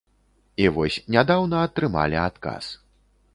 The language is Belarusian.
І вось нядаўна атрымалі адказ.